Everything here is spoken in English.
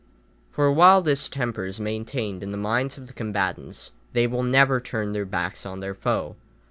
For while this temper is maintained in the minds of the combatants they will never turn their backs on their foe.